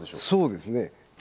そうですね。